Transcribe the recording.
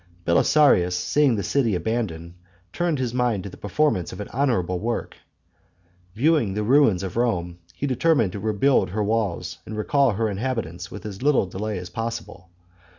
Belisarius, seeing the city abandoned, turned his mind to the performance of an honourable work. Viewing the ruins of Rome, he determined to rebuild her walls and recall her inhabitants with as little delay as possible.